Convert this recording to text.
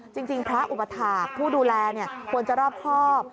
จริงพระอุปถาคผู้ดูแลควรจะรอบครอบ